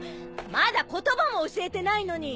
まだ言葉も教えてないのに！